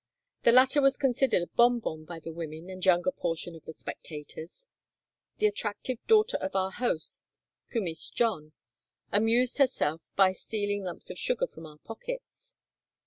The latter was considered a bonbon by the women and younger portion of the spectators. The attractive daughter of our host, "Kumiss John," amused herself by stealing lumps of sugar from our pockets.